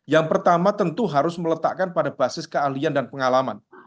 yang pertama tentu harus meletakkan pada basis keahlian dan pengalaman